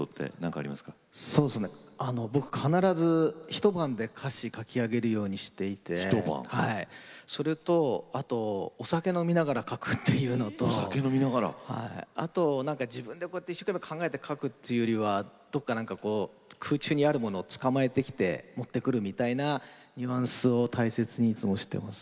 あの僕必ず一晩で歌詞書き上げるようにしていてそれとあとお酒飲みながら書くというのとあとなんか自分で一生懸命考えて書くというよりはどっかなんかこう空中にあるものをつかまえてきて持ってくるみたいなニュアンスを大切にいつもしてます。